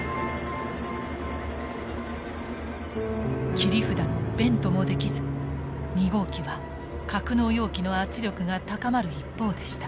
切り札のベントもできず２号機は格納容器の圧力が高まる一方でした。